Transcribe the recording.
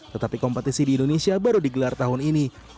tetapi kompetisi di indonesia baru digelar tahun ini